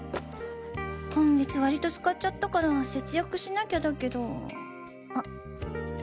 今月割と使っちゃったから節約しなきゃだけどあ。